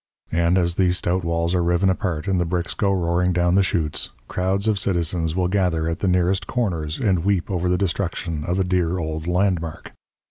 And, as the stout walls are riven apart and the bricks go roaring down the chutes, crowds of citizens will gather at the nearest corners and weep over the destruction of a dear old landmark.